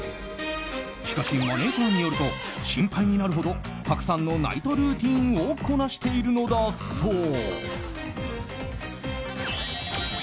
しかし、マネジャーによると心配になるほどたくさんのナイトルーティンをこなしているのだそう。